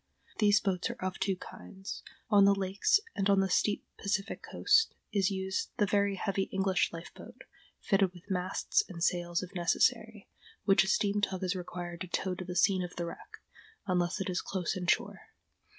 These boats are of two kinds. On the lakes and on the steep Pacific coast is used the very heavy English life boat, fitted with masts and sails if necessary, which a steam tug is required to tow to the scene of the wreck, unless it is close in shore.